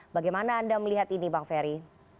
bagaimana anda melihat ini bang ferry